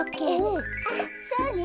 あっそうね。